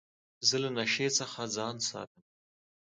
زه له نشې څخه ځان ساتم.